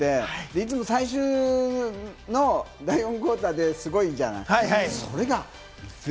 いつも最終の第４クオーターですごいじゃん！